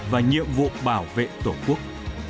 và nhiệm vụ bảo vệ tổ quốc